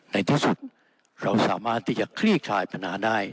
ในที่สุดเราสามารถที่จะคลี่คลายปัญหาได้